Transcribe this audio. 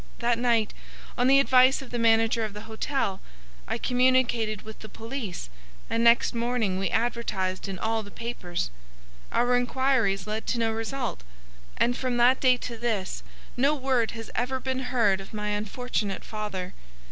That night, on the advice of the manager of the hotel, I communicated with the police, and next morning we advertised in all the papers. Our inquiries led to no result; and from that day to this no word has ever been heard of my unfortunate father.